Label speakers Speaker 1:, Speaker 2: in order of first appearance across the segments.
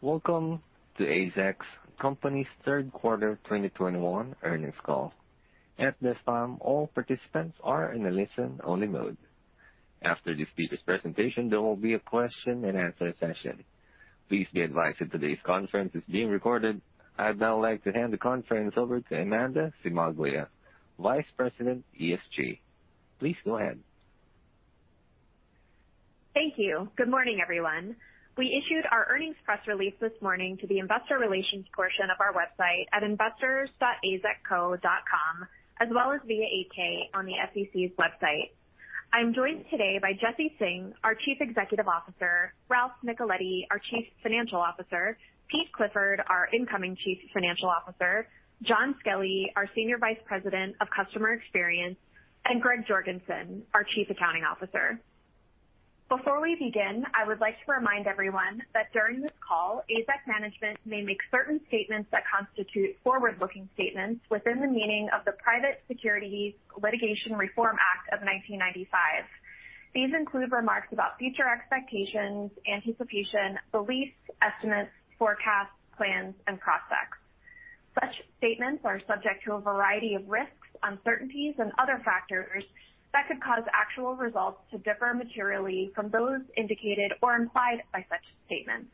Speaker 1: Welcome to AZEK Company's third quarter 2021 earnings call. At this time, all participants are in a listen-only mode. After the speaker's presentation, there will be a question-and-answer session. Please be advised that today's conference is being recorded. I'd now like to hand the conference over to Amanda Cimaglia, Vice President, ESG. Please go ahead.
Speaker 2: Thank you. Good morning, everyone. We issued our earnings press release this morning to the investor relations portion of our website at investors.azekco.com, as well as via 8-K on the SEC's website. I am joined today by Jesse Singh, our Chief Executive Officer, Ralph Nicoletti, our Chief Financial Officer, Peter Clifford, our incoming Chief Financial Officer, Jon Skelly, our Senior Vice President of Customer Experience, and Greg Jorgensen, our Chief Accounting Officer. Before we begin, I would like to remind everyone that during this call, AZEK management may make certain statements that constitute forward-looking statements within the meaning of the Private Securities Litigation Reform Act of 1995. These include remarks about future expectations, anticipation, beliefs, estimates, forecasts, plans, and prospects. Such statements are subject to a variety of risks, uncertainties, and other factors that could cause actual results to differ materially from those indicated or implied by such statements.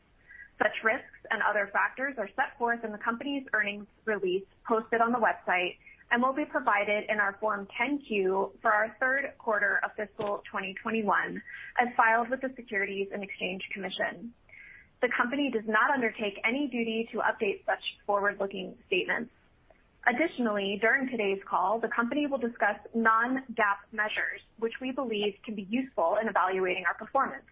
Speaker 2: Such risks and other factors are set forth in the company's earnings release posted on the website and will be provided in our Form 10-Q for our third quarter of fiscal 2021, as filed with the Securities and Exchange Commission. The company does not undertake any duty to update such forward-looking statements. Additionally, during today's call, the company will discuss non-GAAP measures, which we believe can be useful in evaluating our performance.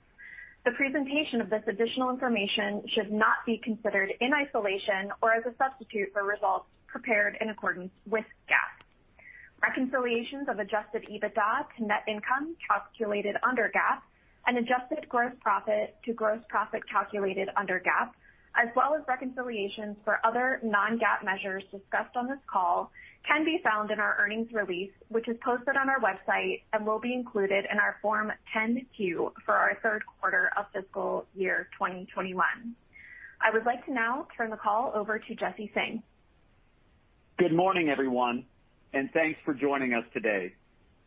Speaker 2: The presentation of this additional information should not be considered in isolation or as a substitute for results prepared in accordance with GAAP. Reconciliations of adjusted EBITDA to net income calculated under GAAP and adjusted gross profit to gross profit calculated under GAAP, as well as reconciliations for other non-GAAP measures discussed on this call, can be found in our earnings release, which is posted on our website and will be included in our Form 10-Q for our third quarter of fiscal year 2021. I would like to now turn the call over to Jesse Singh.
Speaker 3: Good morning, everyone, and thanks for joining us today.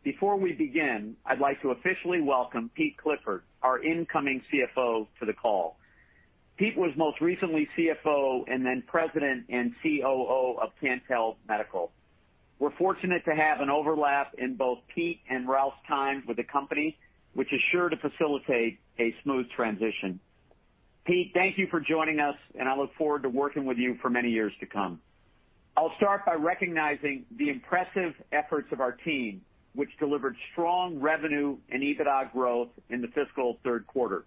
Speaker 3: Before we begin, I'd like to officially welcome Peter Clifford, our incoming CFO, to the call. Peter was most recently CFO and then President and COO of Cantel Medical. We're fortunate to have an overlap in both Peter and Ralph's time with the company, which is sure to facilitate a smooth transition. Peter, thank you for joining us, and I look forward to working with you for many years to come. I'll start by recognizing the impressive efforts of our team, which delivered strong revenue and EBITDA growth in the fiscal third quarter.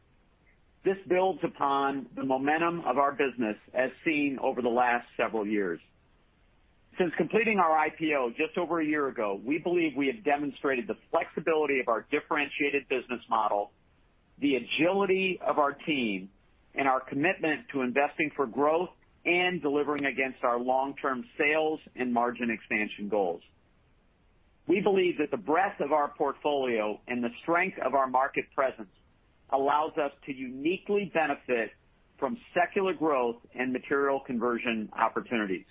Speaker 3: This builds upon the momentum of our business as seen over the last several years. Since completing our IPO just over a year ago, we believe we have demonstrated the flexibility of our differentiated business model, the agility of our team, and our commitment to investing for growth and delivering against our long-term sales and margin expansion goals. We believe that the breadth of our portfolio and the strength of our market presence allows us to uniquely benefit from secular growth and material conversion opportunities.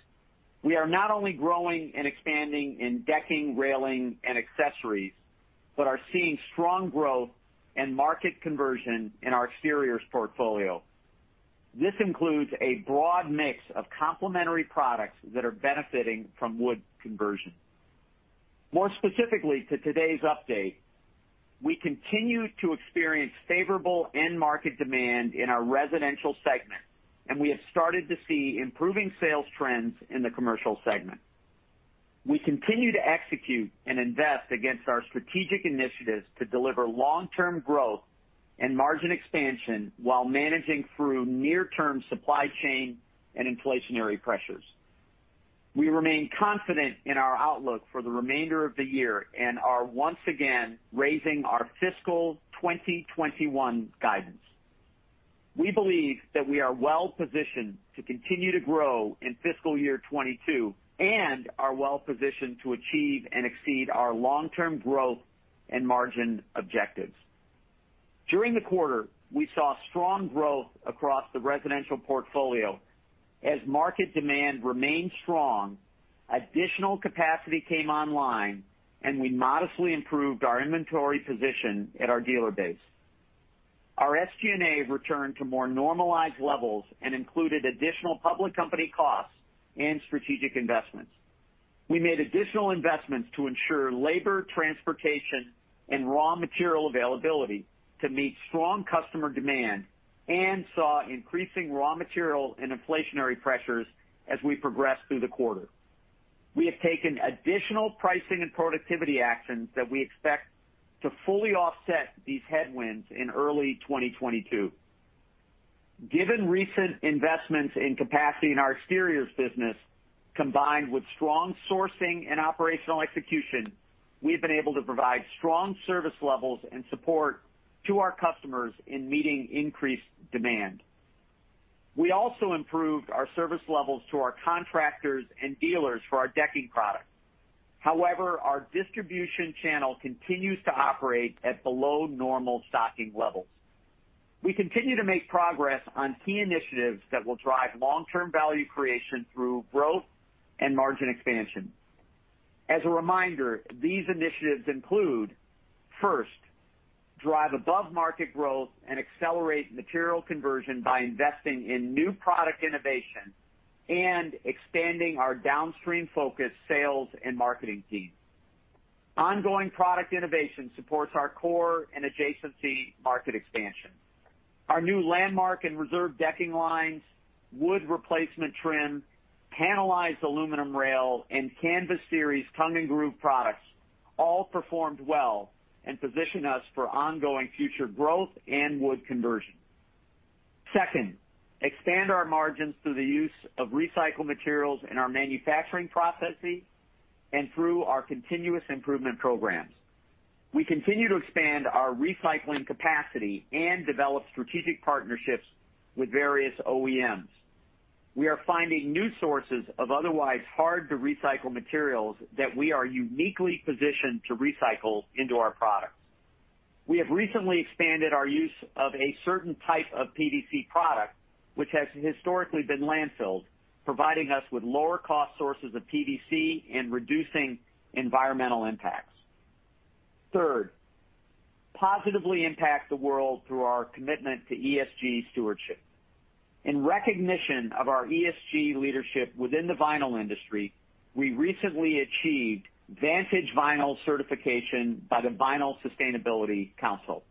Speaker 3: We are not only growing and expanding in decking, railing, and accessories, but are seeing strong growth and market conversion in our exteriors portfolio. This includes a broad mix of complementary products that are benefiting from wood conversion. More specifically to today's update, we continue to experience favorable end market demand in our residential segment, and we have started to see improving sales trends in the commercial segment. We continue to execute and invest against our strategic initiatives to deliver long-term growth and margin expansion while managing through near-term supply chain and inflationary pressures. We remain confident in our outlook for the remainder of the year and are once again raising our fiscal 2021 guidance. We believe that we are well-positioned to continue to grow in fiscal year 2022 and are well-positioned to achieve and exceed our long-term growth and margin objectives. During the quarter, we saw strong growth across the residential portfolio. As market demand remained strong, additional capacity came online, and we modestly improved our inventory position at our dealer base. Our SG&A returned to more normalized levels and included additional public company costs and strategic investments. We made additional investments to ensure labor, transportation, and raw material availability to meet strong customer demand and saw increasing raw material and inflationary pressures as we progressed through the quarter. We have taken additional pricing and productivity actions that we expect to fully offset these headwinds in early 2022. Given recent investments in capacity in our exteriors business, combined with strong sourcing and operational execution, we've been able to provide strong service levels and support to our customers in meeting increased demand. We also improved our service levels to our contractors and dealers for our decking products. However, our distribution channel continues to operate at below normal stocking levels. We continue to make progress on key initiatives that will drive long-term value creation through growth and margin expansion. As a reminder, these initiatives include, first, drive above-market growth and accelerate material conversion by investing in new product innovation and expanding our downstream-focused sales and marketing teams. Ongoing product innovation supports our core and adjacency market expansion. Our new Landmark and Reserve decking lines, wood replacement trim, panelized aluminum rail, and Canvas Series tongue and groove products all performed well and position us for ongoing future growth and wood conversion. Second, expand our margins through the use of recycled materials in our manufacturing processes and through our continuous improvement programs. We continue to expand our recycling capacity and develop strategic partnerships with various OEMs. We are finding new sources of otherwise hard-to-recycle materials that we are uniquely positioned to recycle into our products. We have recently expanded our use of a certain type of PVC product, which has historically been landfilled, providing us with lower-cost sources of PVC and reducing environmental impacts. Third, positively impact the world through our commitment to ESG stewardship. In recognition of our ESG leadership within the vinyl industry, we recently achieved +Vantage Vinyl certification by the Vinyl Sustainability Council.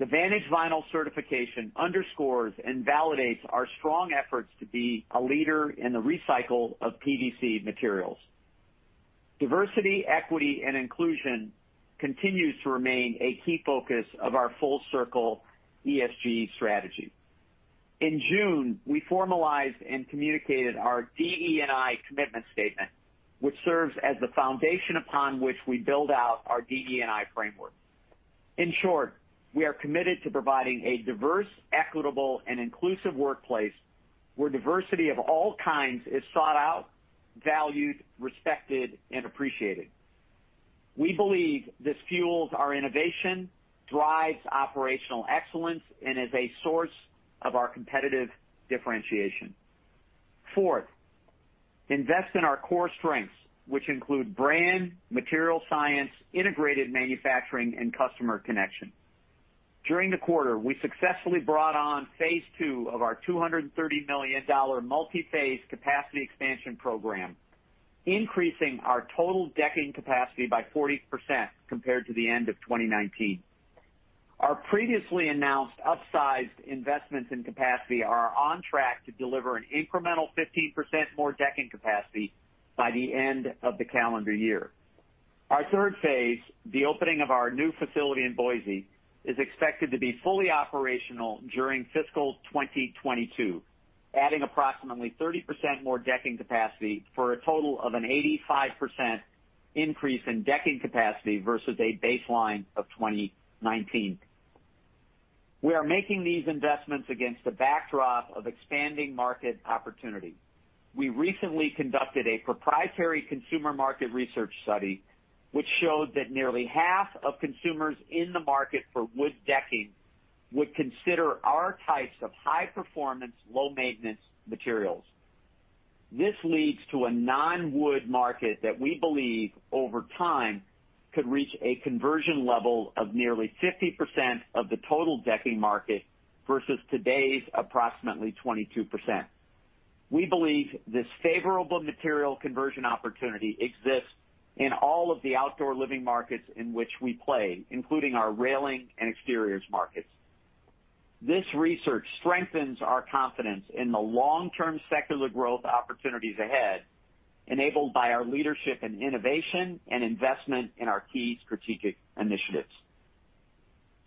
Speaker 3: The +Vantage Vinyl certification underscores and validates our strong efforts to be a leader in the recycle of PVC materials. Diversity, equity, and inclusion continues to remain a key focus of our Full-Circle ESG strategy. In June, we formalized and communicated our DE&I commitment statement, which serves as the foundation upon which we build out our DE&I framework. In short, we are committed to providing a diverse, equitable, and inclusive workplace where diversity of all kinds is sought out, valued, respected, and appreciated. We believe this fuels our innovation, drives operational excellence, and is a source of our competitive differentiation. Fourth, invest in our core strengths, which include brand, material science, integrated manufacturing, and customer connection. During the quarter, we successfully brought on phase II of our $230 million multi-phase capacity expansion program, increasing our total decking capacity by 40% compared to the end of 2019. Our previously announced upsized investments in capacity are on track to deliver an incremental 15% more decking capacity by the end of the calendar year. Our third phase, the opening of our new facility in Boise, is expected to be fully operational during fiscal 2022, adding approximately 30% more decking capacity for a total of an 85% increase in decking capacity versus a baseline of 2019. We are making these investments against a backdrop of expanding market opportunity. We recently conducted a proprietary consumer market research study, which showed that nearly half of consumers in the market for wood decking would consider our types of high-performance, low-maintenance materials. This leads to a non-wood market that we believe over time could reach a conversion level of nearly 50% of the total decking market versus today's approximately 22%. We believe this favorable material conversion opportunity exists in all of the outdoor living markets in which we play, including our railing and exteriors markets. This research strengthens our confidence in the long-term secular growth opportunities ahead, enabled by our leadership in innovation and investment in our key strategic initiatives.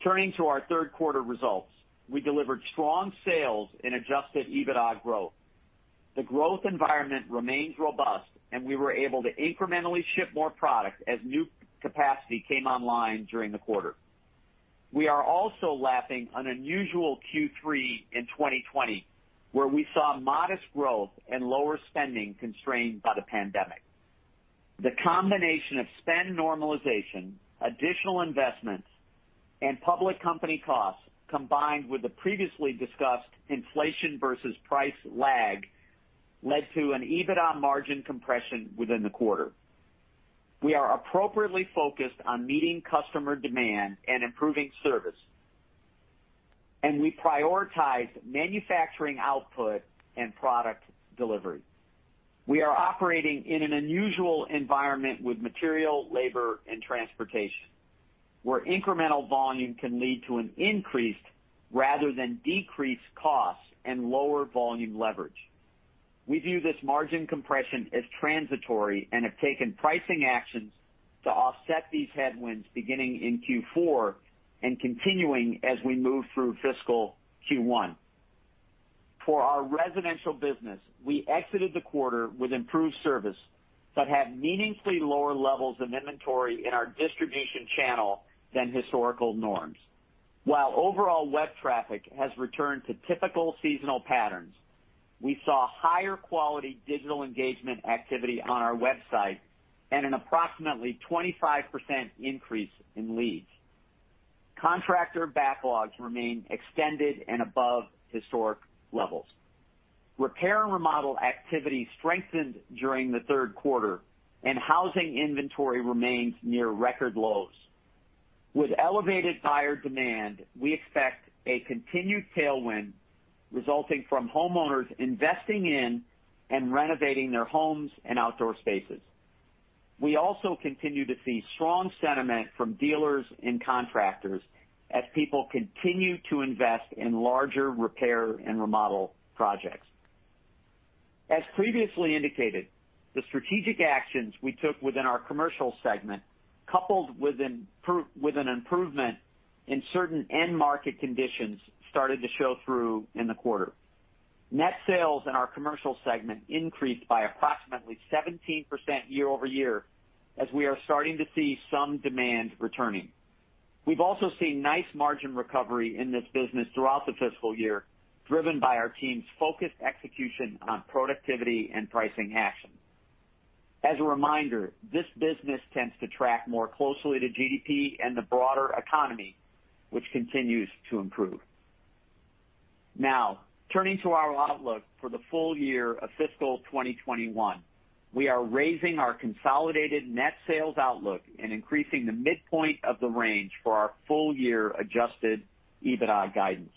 Speaker 3: Turning to our third quarter results. We delivered strong sales and adjusted EBITDA growth. The growth environment remains robust, and we were able to incrementally ship more product as new capacity came online during the quarter. We are also lapping an unusual Q3 2020, where we saw modest growth and lower spending constrained by the pandemic. The combination of spend normalization, additional investments, and public company costs, combined with the previously discussed inflation versus price lag, led to an EBITDA margin compression within the quarter. We are appropriately focused on meeting customer demand and improving service, and we prioritize manufacturing output and product delivery. We are operating in an unusual environment with material, labor, and transportation, where incremental volume can lead to an increased rather than decreased cost and lower volume leverage. We view this margin compression as transitory and have taken pricing actions to offset these headwinds beginning in Q4 and continuing as we move through fiscal Q1. For our residential business, we exited the quarter with improved service but have meaningfully lower levels of inventory in our distribution channel than historical norms. While overall web traffic has returned to typical seasonal patterns. We saw higher quality digital engagement activity on our website and an approximately 25% increase in leads. Contractor backlogs remain extended and above historic levels. Repair and remodel activity strengthened during the third quarter, and housing inventory remains near record lows. With elevated buyer demand, we expect a continued tailwind resulting from homeowners investing in and renovating their homes and outdoor spaces. We also continue to see strong sentiment from dealers and contractors as people continue to invest in larger repair and remodel projects. As previously indicated, the strategic actions we took within our commercial segment, coupled with an improvement in certain end market conditions, started to show through in the quarter. Net sales in our commercial segment increased by approximately 17% year-over-year as we are starting to see some demand returning. We've also seen nice margin recovery in this business throughout the fiscal year, driven by our team's focused execution on productivity and pricing action. As a reminder, this business tends to track more closely to GDP and the broader economy, which continues to improve. Turning to our outlook for the full year of fiscal 2021. We are raising our consolidated net sales outlook and increasing the midpoint of the range for our full year adjusted EBITDA guidance.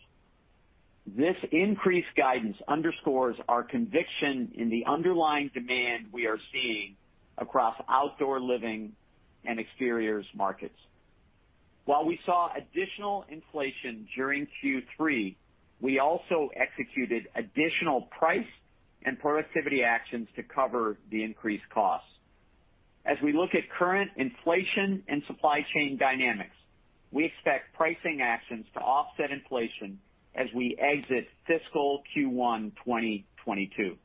Speaker 3: This increased guidance underscores our conviction in the underlying demand we are seeing across outdoor living and exteriors markets. While we saw additional inflation during Q3, we also executed additional price and productivity actions to cover the increased costs. As we look at current inflation and supply chain dynamics, we expect pricing actions to offset inflation as we exit fiscal Q1 2022.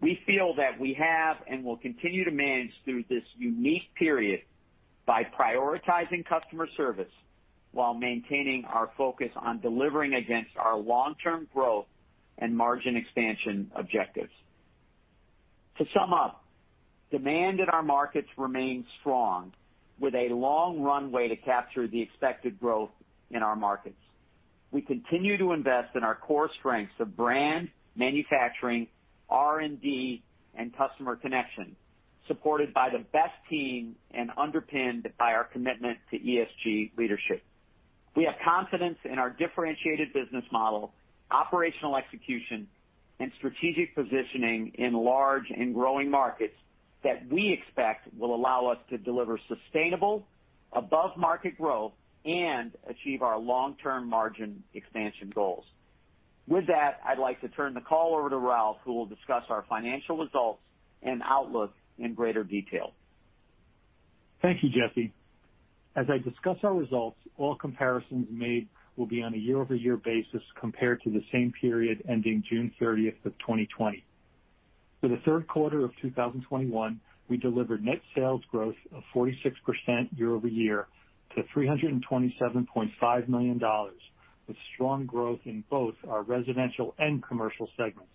Speaker 3: We feel that we have and will continue to manage through this unique period by prioritizing customer service while maintaining our focus on delivering against our long-term growth and margin expansion objectives. To sum up, demand in our markets remains strong with a long runway to capture the expected growth in our markets. We continue to invest in our core strengths of brand, manufacturing, R&D and customer connection, supported by the best team and underpinned by our commitment to ESG leadership. We have confidence in our differentiated business model, operational execution, and strategic positioning in large and growing markets that we expect will allow us to deliver sustainable, above-market growth and achieve our long-term margin expansion goals. With that, I'd like to turn the call over to Ralph, who will discuss our financial results and outlook in greater detail.
Speaker 4: Thank you, Jesse. As I discuss our results, all comparisons made will be on a year-over-year basis compared to the same period ending June 30th of 2020. For the third quarter of 2021, we delivered net sales growth of 46% year-over-year to $327.5 million, with strong growth in both our Residential and Commercial segments.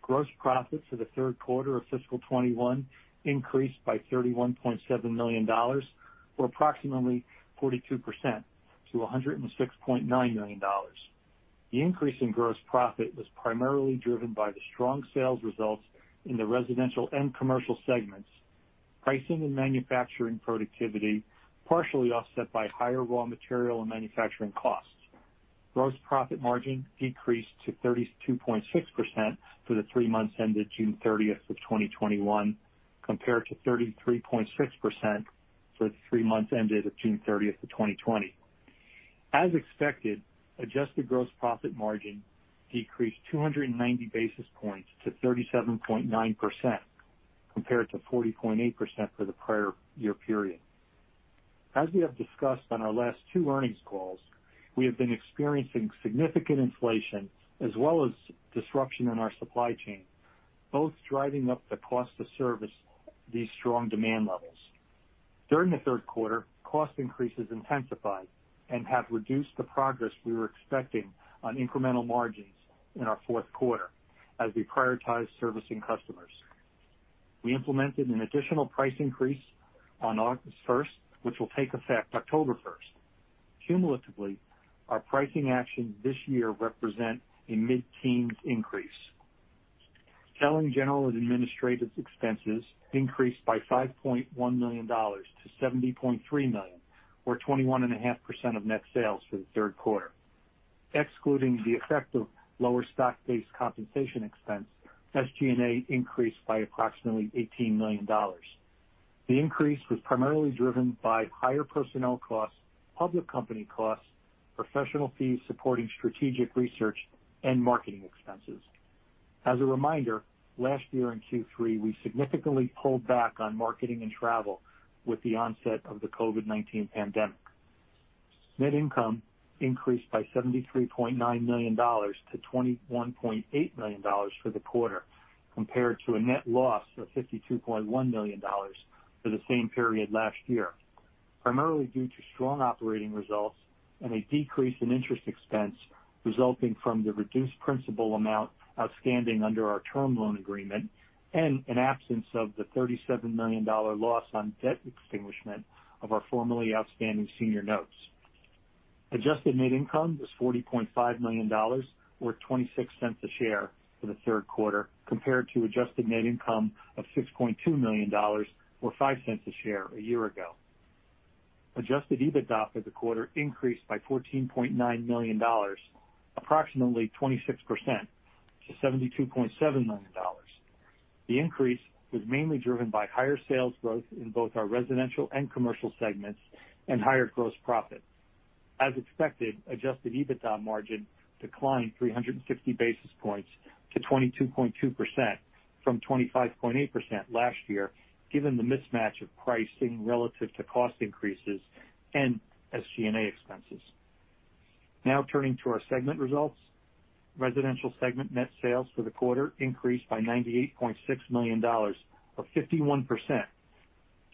Speaker 4: Gross profits for the third quarter of fiscal 2021 increased by $31.7 million or approximately 42% to $106.9 million. The increase in gross profit was primarily driven by the strong sales results in the Residential and Commercial segments. Pricing and manufacturing productivity partially offset by higher raw material and manufacturing costs. Gross profit margin decreased to 32.6% for the three months ended June 30th of 2021, compared to 33.6% for the three months ended June 30th of 2020. As expected, adjusted gross profit margin decreased 290 basis points to 37.9%, compared to 40.8% for the prior year period. As we have discussed on our last two earnings calls, we have been experiencing significant inflation as well as disruption in our supply chain, both driving up the cost to service these strong demand levels. During the third quarter, cost increases intensified and have reduced the progress we were expecting on incremental margins in our fourth quarter as we prioritize servicing customers. We implemented an additional price increase on August 1st, which will take effect October 1st. Cumulatively, our pricing actions this year represent a mid-teens increase. Selling, General & Administrative expenses increased by $5.1 million to $70.3 million, or 21.5% of net sales for the third quarter. Excluding the effect of lower stock-based compensation expense, SG&A increased by approximately $18 million. The increase was primarily driven by higher personnel costs, public company costs, professional fees supporting strategic research, and marketing expenses. As a reminder, last year in Q3, we significantly pulled back on marketing and travel with the onset of the COVID-19 pandemic. Net income increased by $73.9 million to $21.8 million for the quarter, compared to a net loss of $52.1 million for the same period last year. Primarily due to strong operating results and a decrease in interest expense resulting from the reduced principal amount outstanding under our term loan agreement, and an absence of the $37 million loss on debt extinguishment of our formerly outstanding senior notes. Adjusted net income was $40.5 million or $0.26 a share for the third quarter, compared to adjusted net income of $6.2 million or $0.05 a share a year ago. Adjusted EBITDA for the quarter increased by $14.9 million, approximately 26%, to $72.7 million. The increase was mainly driven by higher sales growth in both our residential and commercial segments and higher gross profit. As expected, adjusted EBITDA margin declined 350 basis points to 22.2% from 25.8% last year, given the mismatch of pricing relative to cost increases and SG&A expenses. Turning to our segment results. Residential segment net sales for the quarter increased by $98.6 million or 51%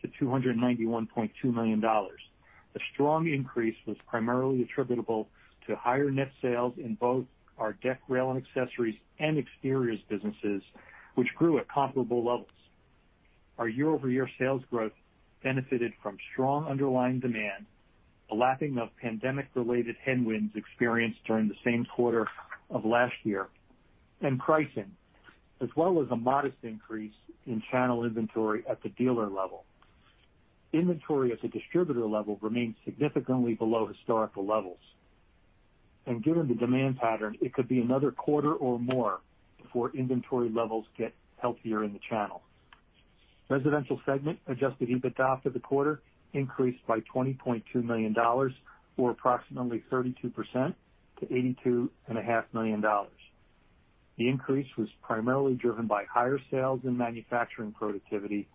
Speaker 4: to $291.2 million. The strong increase was primarily attributable to higher net sales in both our deck, rail, and accessories and exteriors businesses, which grew at comparable levels. Our year-over-year sales growth benefited from strong underlying demand, a lapping of pandemic-related headwinds experienced during the same quarter of last year, and pricing, as well as a modest increase in channel inventory at the dealer level. Inventory at the distributor level remains significantly below historical levels, and given the demand pattern, it could be another quarter or more before inventory levels get healthier in the channel. Residential segment adjusted EBITDA for the quarter increased by $20.2 million or approximately 32% to $82.5 million. The increase was primarily driven by higher sales and manufacturing productivity,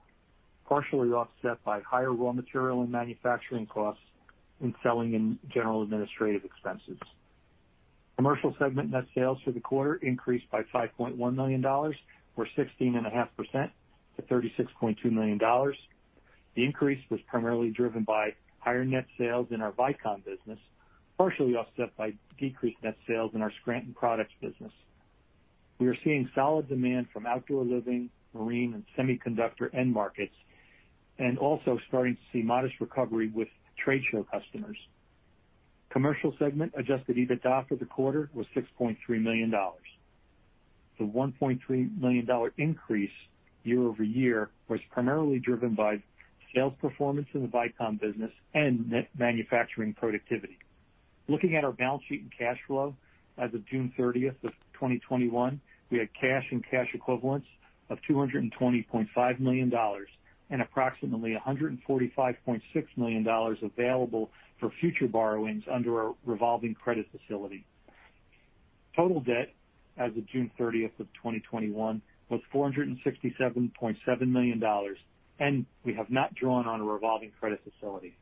Speaker 4: partially offset by higher raw material and manufacturing costs in Selling and General Administrative Expenses. Commercial segment net sales for the quarter increased by $5.1 million or 16.5% to $36.2 million. The increase was primarily driven by higher net sales in our Vycom business, partially offset by decreased net sales in our Scranton Products business. We are seeing solid demand from outdoor living, marine, and semiconductor end markets, and also starting to see modest recovery with trade show customers. Commercial segment adjusted EBITDA for the quarter was $6.3 million. The $1.3 million increase year-over-year was primarily driven by sales performance in the Vycom business and net manufacturing productivity. Looking at our balance sheet and cash flow as of June 30, 2021, we had cash and cash equivalents of $220.5 million and approximately $145.6 million available for future borrowings under our revolving credit facility. Total debt as of June 30, 2021 was $467.7 million, and we have not drawn on a revolving credit facility.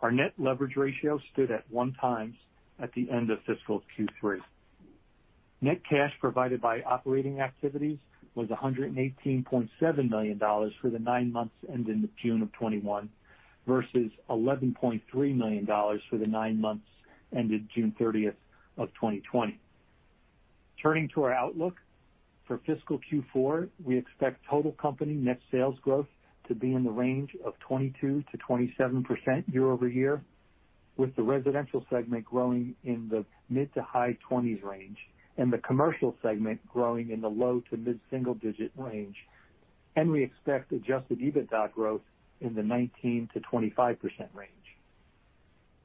Speaker 4: Our net leverage ratio stood at 1x at the end of fiscal Q3. Net cash provided by operating activities was $118.7 million for the nine months ending June 2021 versus $11.3 million for the nine months ended June 30, 2020. Turning to our outlook. For fiscal Q4, we expect total company net sales growth to be in the range of 22%-27% year-over-year, with the residential segment growing in the mid-to-high 20s range and the commercial segment growing in the low-to-mid single-digit range. We expect adjusted EBITDA growth in the 19%-25% range.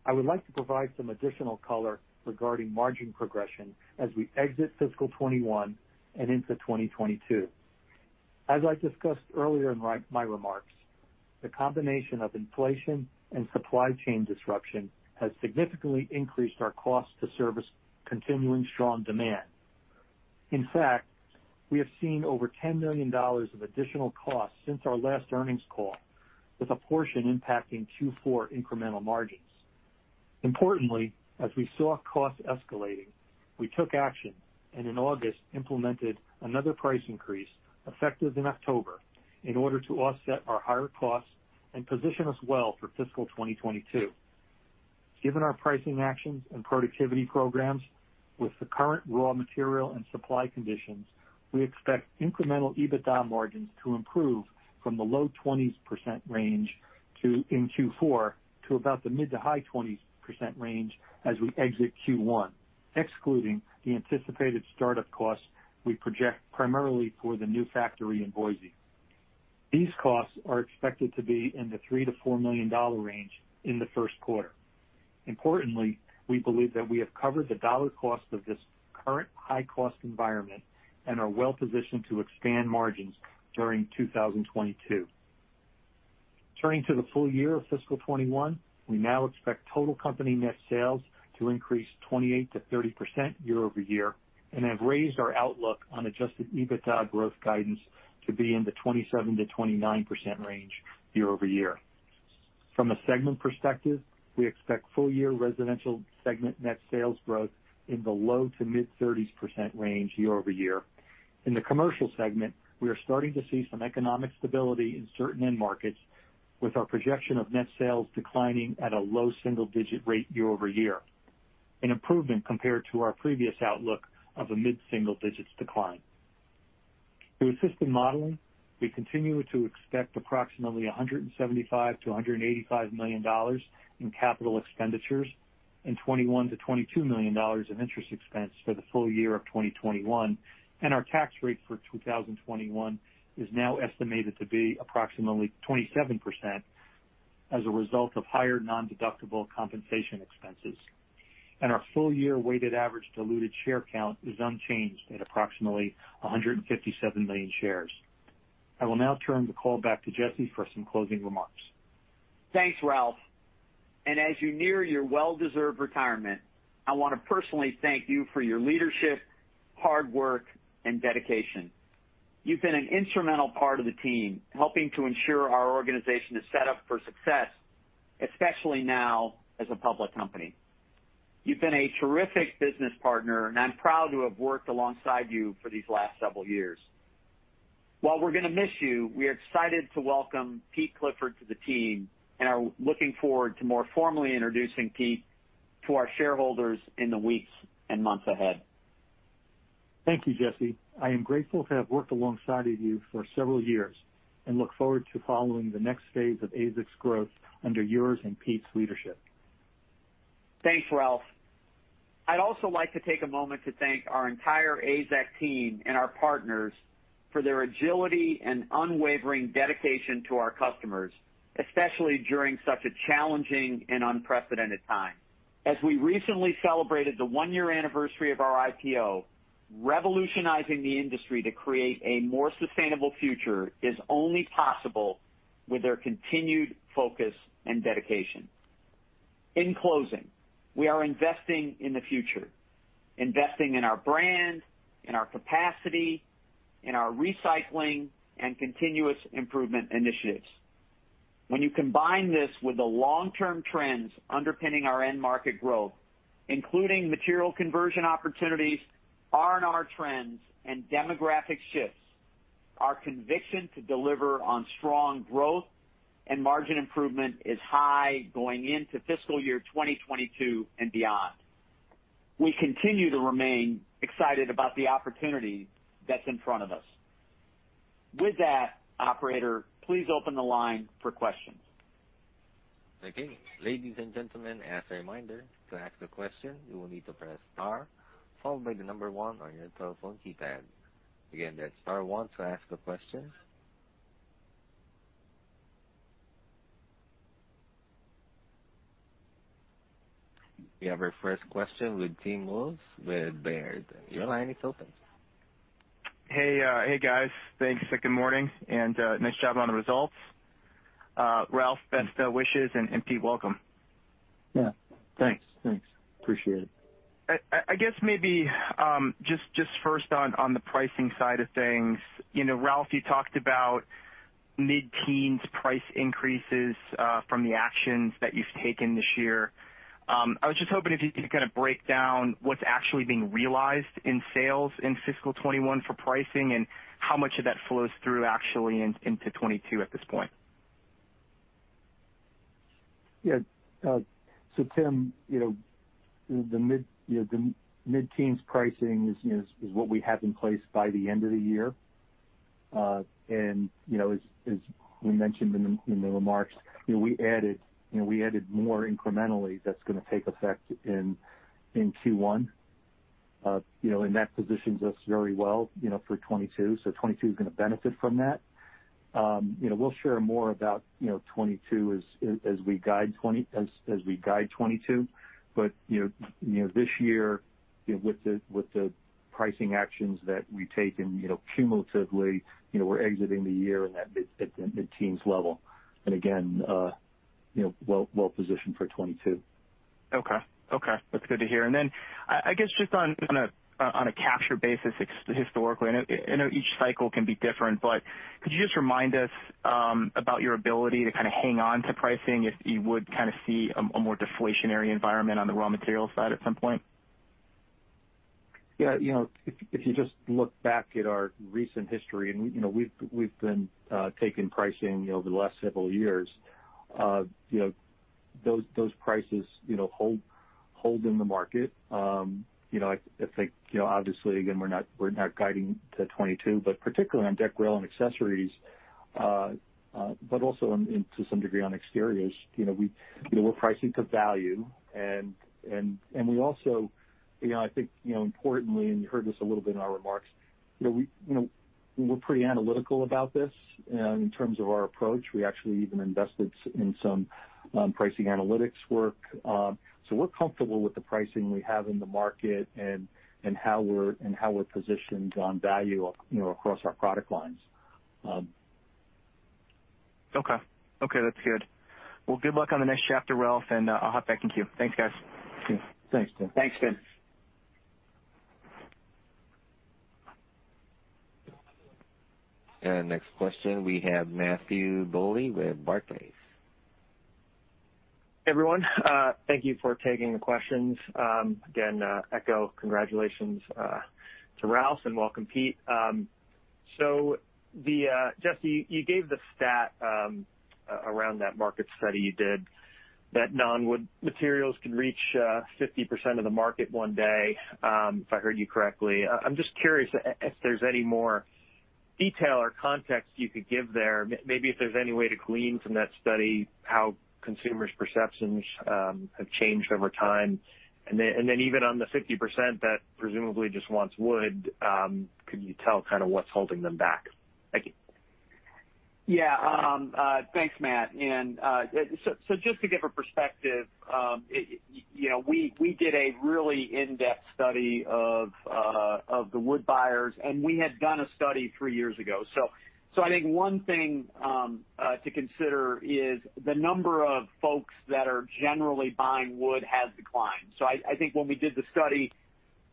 Speaker 4: I would like to provide some additional color regarding margin progression as we exit fiscal 2021 and into 2022. As I discussed earlier in my remarks, the combination of inflation and supply chain disruption has significantly increased our cost to service continuing strong demand. In fact, we have seen over $10 million of additional costs since our last earnings call, with a portion impacting Q4 incremental margins. Importantly, as we saw costs escalating, we took action and in August implemented another price increase effective in October in order to offset our higher costs and position us well for fiscal 2022. Given our pricing actions and productivity programs with the current raw material and supply conditions, we expect incremental EBITDA margins to improve from the low 20% range in Q4 to about the mid-to-high 20% range as we exit Q1, excluding the anticipated startup costs we project primarily for the new factory in Boise. These costs are expected to be in the $3 million-$4 million range in the first quarter. Importantly, we believe that we have covered the dollar cost of this current high-cost environment and are well positioned to expand margins during 2022. Turning to the full year of fiscal 2021, we now expect total company net sales to increase 28%-30% year-over-year and have raised our outlook on adjusted EBITDA growth guidance to be in the 27%-29% range year-over-year. From a segment perspective, we expect full year Residential segment net sales growth in the low to mid-30s percent range year-over-year. In the Commercial segment, we are starting to see some economic stability in certain end markets with our projection of net sales declining at a low single-digit rate year-over-year, an improvement compared to our previous outlook of a mid-single-digits decline. To assist in modeling, we continue to expect approximately $175 million-$185 million in capital expenditures and $21 million-$22 million in interest expense for the full year of 2021. Our tax rate for 2021 is now estimated to be approximately 27% as a result of higher nondeductible compensation expenses. Our full-year weighted average diluted share count is unchanged at approximately 157 million shares. I will now turn the call back to Jesse for some closing remarks.
Speaker 3: Thanks, Ralph. As you near your well-deserved retirement, I want to personally thank you for your leadership, hard work, and dedication. You've been an instrumental part of the team, helping to ensure our organization is set up for success, especially now as a public company. You've been a terrific business partner, and I'm proud to have worked alongside you for these last several years. While we're going to miss you, we are excited to welcome Peter Clifford to the team and are looking forward to more formally introducing Peter to our shareholders in the weeks and months ahead.
Speaker 4: Thank you, Jesse. I am grateful to have worked alongside of you for several years and look forward to following the next phase of AZEK's growth under yours and Peter's leadership.
Speaker 3: Thanks, Ralph. I'd also like to take a moment to thank our entire AZEK team and our partners for their agility and unwavering dedication to our customers, especially during such a challenging and unprecedented time. As we recently celebrated the one-year anniversary of our IPO, revolutionizing the industry to create a more sustainable future is only possible with their continued focus and dedication. In closing, we are investing in the future, investing in our brand, in our capacity, in our recycling, and continuous improvement initiatives. When you combine this with the long-term trends underpinning our end market growth, including material conversion opportunities, R&R trends, and demographic shifts, our conviction to deliver on strong growth and margin improvement is high going into fiscal year 2022 and beyond. We continue to remain excited about the opportunity that's in front of us. With that, operator, please open the line for questions.
Speaker 1: Okay. Ladies and gentlemen, as a reminder, to ask a question, you will need to press star followed by one on your telephone keypad. Again, that's star one to ask a question. We have our first question with Tim Wojs with Baird. Your line is open.
Speaker 5: Hey, guys. Thanks. Good morning, and nice job on the results. Ralph, best wishes, and Peter, welcome.
Speaker 4: Yeah. Thanks. Appreciate it.
Speaker 5: I guess maybe just first on the pricing side of things. Ralph, you talked about mid-teens price increases from the actions that you've taken this year. I was just hoping if you could kind of break down what's actually being realized in sales in fiscal 2021 for pricing and how much of that flows through actually into 2022 at this point.
Speaker 4: Yeah. Tim, the mid-teens pricing is what we have in place by the end of the year. As we mentioned in the remarks, we added more incrementally that's going to take effect in Q1. That positions us very well for 2022 is going to benefit from that. We'll share more about 2022 as we guide 2022. This year, with the pricing actions that we've taken cumulatively, we're exiting the year at the mid-teens level. Again, well-positioned for 2022.
Speaker 5: Okay. That's good to hear. I guess just on a capture basis historically, I know each cycle can be different, but could you just remind us about your ability to hang on to pricing if you would see a more deflationary environment on the raw materials side at some point?
Speaker 4: Yeah. If you just look back at our recent history, and we've been taking pricing over the last several years. Those prices hold in the market. Obviously, again, we're not guiding to 2022, but particularly on deck, rail, and accessories, but also to some degree on exteriors, we're pricing to value, and we also, I think importantly, and you heard this a little bit in our remarks, we're pretty analytical about this in terms of our approach. We actually even invested in some pricing analytics work. We're comfortable with the pricing we have in the market and how we're positioned on value across our product lines.
Speaker 5: Okay. That's good. Well, good luck on the next chapter, Ralph, and I'll hop back in queue. Thanks, guys.
Speaker 4: Thanks, Tim.
Speaker 3: Thanks, Tim.
Speaker 1: Next question, we have Matthew Bouley with Barclays.
Speaker 6: Everyone, thank you for taking the questions. Again, echo congratulations to Ralph and welcome, Peter. Jesse, you gave the stat around that market study you did that non-wood materials can reach 50% of the market one day, if I heard you correctly. I'm just curious if there's any more detail or context you could give there. Maybe if there's any way to glean from that study how consumers' perceptions have changed over time. Even on the 50% that presumably just wants wood, could you tell kind of what's holding them back? Thank you.
Speaker 3: Thanks, Matt. Just to give a perspective, we did a really in-depth study of the wood buyers, and we had done a study three years ago. I think one thing to consider is the number of folks that are generally buying wood has declined. I think when we did the study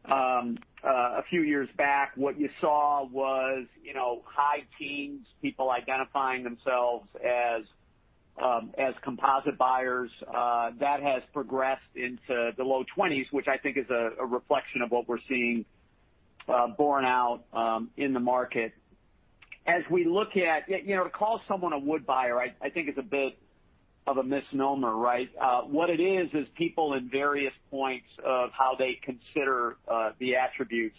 Speaker 3: a few years back, what you saw was high teens, people identifying themselves as composite buyers. That has progressed into the low 20s, which I think is a reflection of what we're seeing borne out in the market. To call someone a wood buyer, I think is a bit of a misnomer, right? What it is people in various points of how they consider the attributes.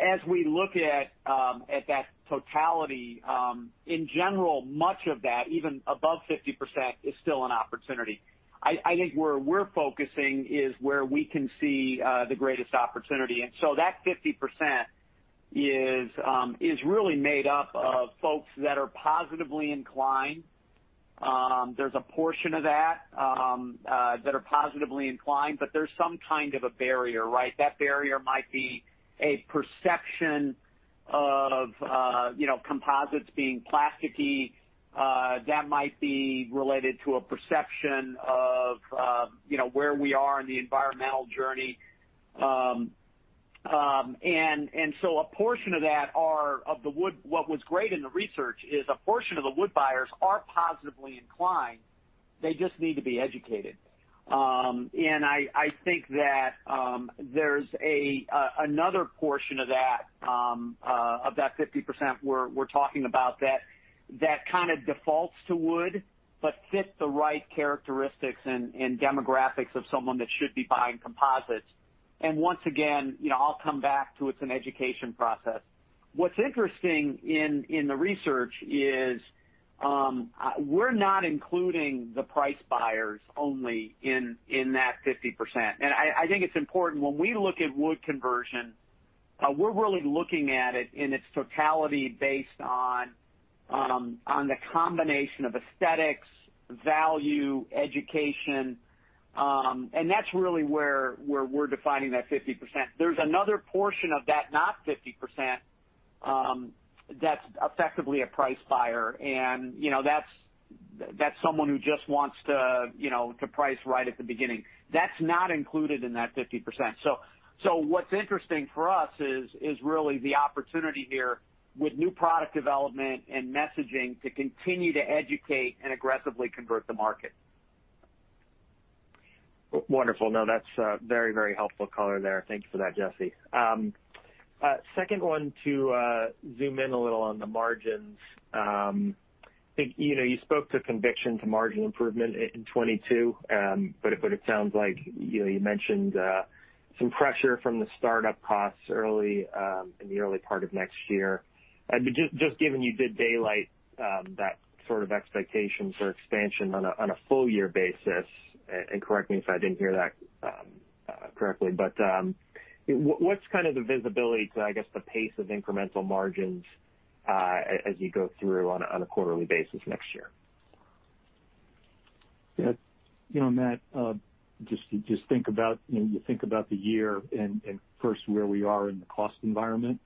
Speaker 3: As we look at that totality, in general, much of that, even above 50%, is still an opportunity. I think where we're focusing is where we can see the greatest opportunity. That 50% is really made up of folks that are positively inclined. There's a portion of that that are positively inclined, but there's some kind of a barrier, right? That barrier might be a perception of composites being plasticky. That might be related to a perception of where we are in the environmental journey. A portion of that are. What was great in the research is a portion of the wood buyers are positively inclined. They just need to be educated. I think that there's another portion of that 50% we're talking about that kind of defaults to wood, but fit the right characteristics and demographics of someone that should be buying composites. Once again, I'll come back to it's an education process. What's interesting in the research is we're not including the price buyers only in that 50%. I think it's important when we look at wood conversion, we're really looking at it in its totality based on the combination of aesthetics, value, education, and that's really where we're defining that 50%. There's another portion of that not 50% that's effectively a price buyer, and that's someone who just wants to price right at the beginning. That's not included in that 50%. What's interesting for us is really the opportunity here with new product development and messaging to continue to educate and aggressively convert the market.
Speaker 6: Wonderful. That's a very helpful color there. Thank you for that, Jesse. Second one to zoom in a little on the margins. You spoke to conviction to margin improvement in 2022. It sounds like you mentioned some pressure from the startup costs in the early part of next year. Just giving you good daylight, that sort of expectations or expansion on a full year basis, and correct me if I didn't hear that correctly, but what's kind of the visibility to, I guess, the pace of incremental margins as you go through on a quarterly basis next year?
Speaker 4: Yeah. Matt, just think about the year and first, where we are in the cost environment.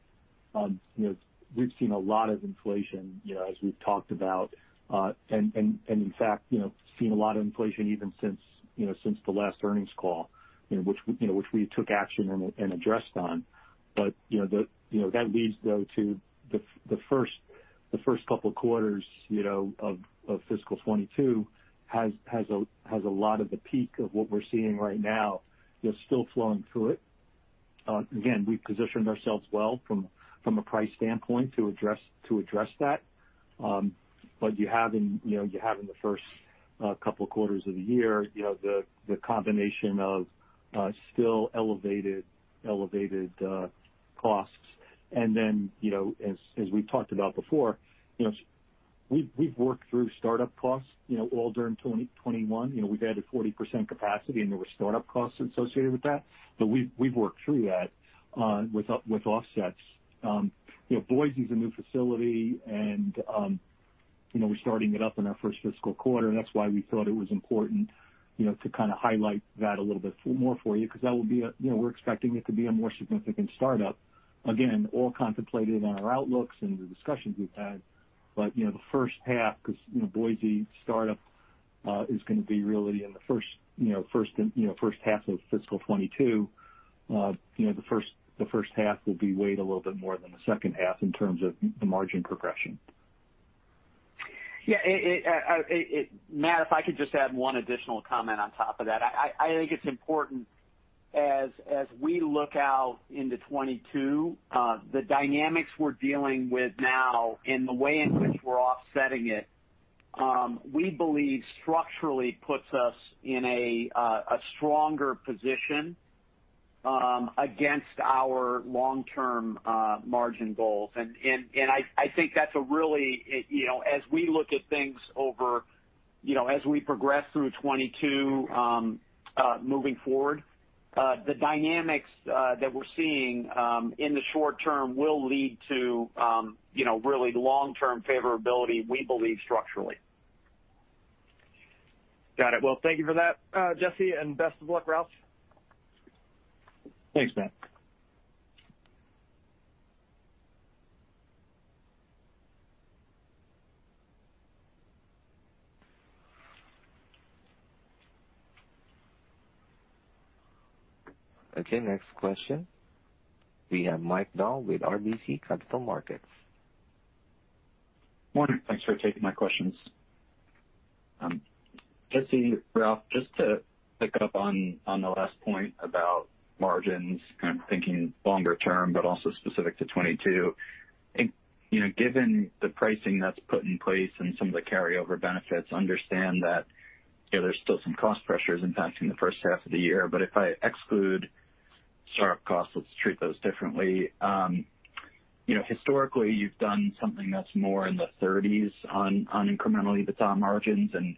Speaker 4: We've seen a lot of inflation, as we've talked about. In fact, seen a lot of inflation even since the last earnings call which we took action and addressed on. That leads, though, to the first couple quarters of fiscal 2022 has a lot of the peak of what we're seeing right now, still flowing through it. Again, we've positioned ourselves well from a price standpoint to address that. You have in the first couple quarters of the year, the combination of still elevated costs. As we've talked about before, we've worked through startup costs all during 2021. We've added 40% capacity, and there were startup costs associated with that. We've worked through that with offsets. Boise is a new facility. We're starting it up in our first fiscal quarter. That's why we thought it was important to kind of highlight that a little bit more for you, because we're expecting it to be a more significant startup. Again, all contemplated on our outlooks and the discussions we've had. The first half, because Boise startup is going to be really in the first half of fiscal 2022. The first half will be weighed a little bit more than the second half in terms of the margin progression.
Speaker 3: Matt, if I could just add one additional comment on top of that. I think it's important as we look out into 2022, the dynamics we're dealing with now and the way in which we're offsetting it, we believe structurally puts us in a stronger position against our long-term margin goals. I think as we look at things over as we progress through 2022, moving forward, the dynamics that we're seeing in the short term will lead to really long-term favorability, we believe structurally.
Speaker 6: Got it. Well, thank you for that, Jesse, and best of luck, Ralph.
Speaker 4: Thanks, Matt.
Speaker 1: Okay, next question. We have Mike Dahl with RBC Capital Markets.
Speaker 7: Morning. Thanks for taking my questions. Jesse, Ralph, just to pick up on the last point about margins, kind of thinking longer term, but also specific to 2022. Given the pricing that's put in place and some of the carryover benefits, I understand that there's still some cost pressures impacting the first half of the year, but if I exclude startup costs, let's treat those differently. Historically, you've done something that's more in the 30s on incremental EBITDA margins, and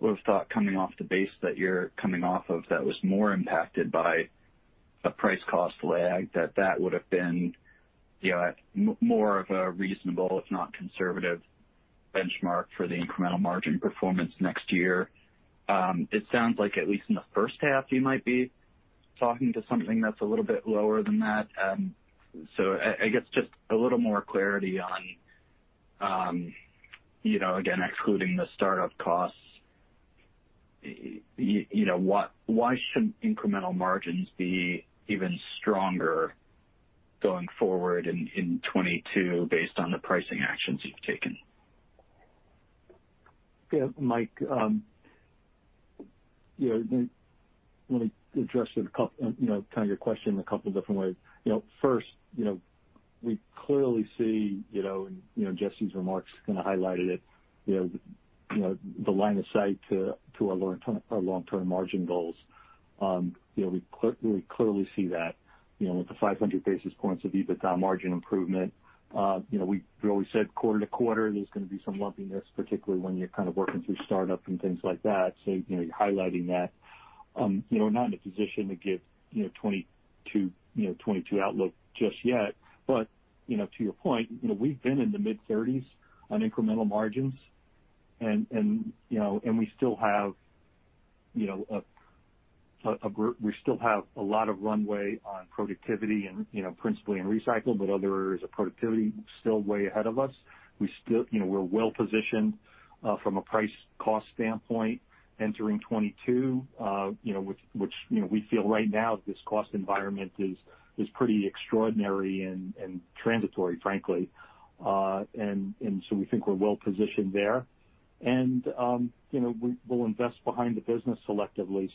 Speaker 7: would've thought coming off the base that you're coming off of that was more impacted by a price cost lag, that that would've been more of a reasonable, if not conservative, benchmark for the incremental margin performance next year. It sounds like at least in the first half, you might be talking to something that's a little bit lower than that. I guess just a little more clarity on, again, excluding the startup costs, why shouldn't incremental margins be even stronger going forward in 2022 based on the pricing actions you've taken?
Speaker 4: Yeah, Mike. Let me address your question in a couple different ways. First, we clearly see, and Jesse's remarks kind of highlighted it, the line of sight to our long-term margin goals. We clearly see that with the 500 basis points of EBITDA margin improvement. We always said quarter to quarter, there's going to be some lumpiness, particularly when you're kind of working through startup and things like that. You're highlighting that. We're not in a position to give 2022 outlook just yet. To your point, we've been in the mid-30s on incremental margins, and we still have a lot of runway on productivity and principally in recycle, but other areas of productivity still way ahead of us. We're well positioned from a price cost standpoint entering 2022, which we feel right now this cost environment is pretty extraordinary and transitory, frankly. We think we're well positioned there. We'll invest behind the business selectively.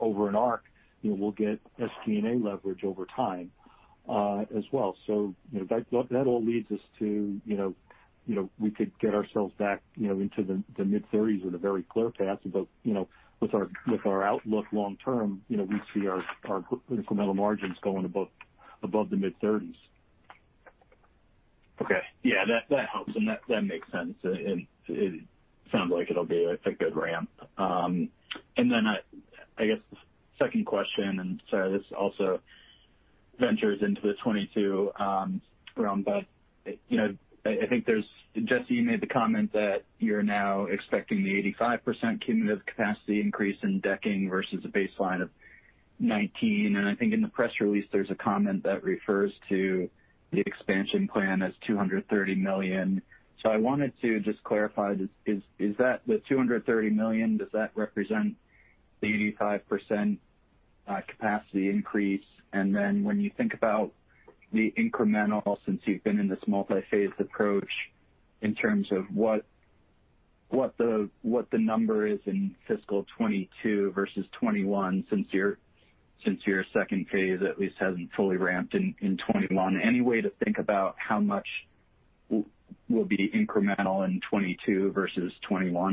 Speaker 4: Over an arc, we'll get SG&A leverage over time as well. That all leads us to we could get ourselves back into the mid-30s with a very clear path. With our outlook long term, we see our incremental margins going above the mid-30s.
Speaker 7: Okay. Yeah, that helps and that makes sense. It sounds like it'll be a good ramp. I guess the second question, and sorry, this also ventures into the 2022 realm, but I think Jesse, you made the comment that you're now expecting the 85% cumulative capacity increase in decking versus a baseline of 2019. I think in the press release, there's a comment that refers to the expansion plan as $230 million. I wanted to just clarify, the $230 million, does that represent the 85% capacity increase? When you think about the incremental, since you've been in this multi-phase approach, in terms of what the number is in fiscal 2022 versus 2021, since your second phase at least hasn't fully ramped in 2021. Any way to think about how much will be incremental in 2022 versus 2021?